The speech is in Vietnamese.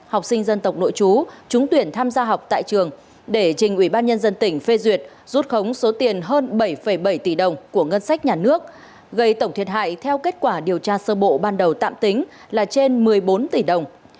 học sinh dân tộc nội chú trúng tuyển tham gia học tại trường để trình ủy ban nhân dân tỉnh phê duyệt rút khống số tiền hơn bảy bảy tỷ đồng của ngân sách nhà nước gây tổng thiệt hại theo kết quả điều tra sơ bộ ban đầu tạm tính là trên một mươi bốn tỷ đồng